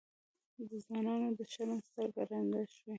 د ځوانانو د شرم سترګه ړنده شوې.